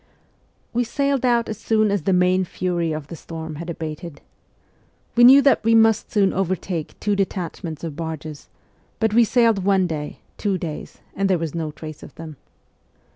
We sailed out as soon as the main fury of the storm had abated. We knew that we must soon over take two detachments of barges ; but we sailed one day, two days, and there was no trace of them.